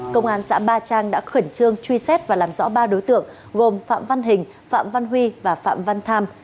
công an xã ba trang đã khẩn trương truy xét và làm rõ ba đối tượng gồm phạm văn hình phạm văn huy và phạm văn tham